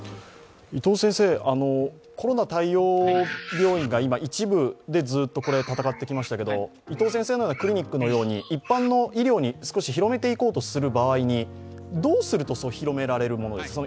コロナ対応病院が今、一部でずっと闘ってきましたけれども、伊藤先生のクリニックのように一般の医療に少し広めていこうとする場合、どうすると広められるんですか、